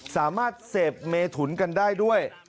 สามารถเสพเมถุนกันได้ด้วย